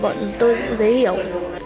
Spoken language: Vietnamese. bọn tôi cũng dễ hiểu